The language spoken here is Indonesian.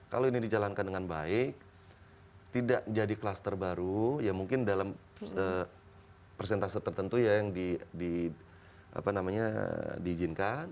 kalau ini dijalankan dengan baik tidak jadi klaster baru ya mungkin dalam persentase tertentu ya yang diizinkan